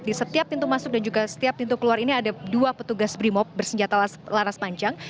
di setiap pintu masuk dan juga setiap pintu keluar ini ada dua petugas brimob bersenjata laras panjang